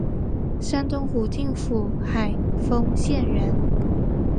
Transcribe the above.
山东武定府海丰县人。